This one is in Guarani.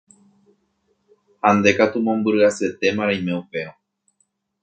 Ha nde katu mombyry asyetéma reime upérõ.